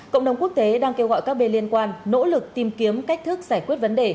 cộng đồng quốc tế đang kêu gọi các bên liên quan nỗ lực tìm kiếm cách thức giải quyết vấn đề